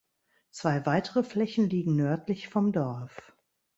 Zwei weitere Flächen liegen nördlich vom Dorf.